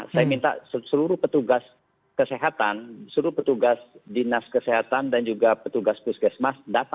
saya minta seluruh petugas kesehatan seluruh petugas dinas kesehatan dan juga petugas puskesmas